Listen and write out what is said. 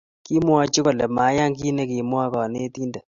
kimwoch kole maiyan ket nemwae kanetindet